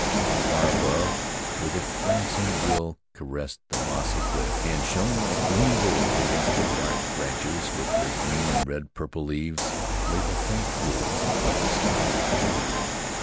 Far above where the glancing rill caressed the mossy cliff and shone like gleaming gold against the dark branches with their green and red and purple leaves, lay the faint blue of the sky.